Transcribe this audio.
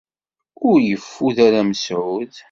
Ur yeffud ara Mesεud.